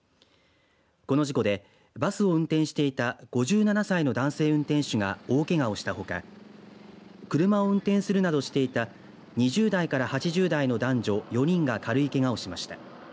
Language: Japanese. この事故でバスを運転していた５７歳の男性運転手が大けがをしたほか車を運転するなどしていた２０代から８０代の男女４人が軽いけがをしました。